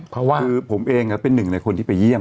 คือผมเองเป็นหนึ่งในคนที่ไปเยี่ยม